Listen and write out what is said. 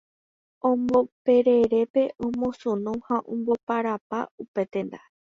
Omboperepepe, omosunu ha omboparapa upe tenda.